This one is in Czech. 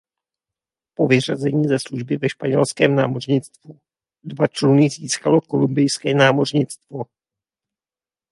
Po vyřazení ze služby ve španělském námořnictvu dva čluny získalo Kolumbijské námořnictvo.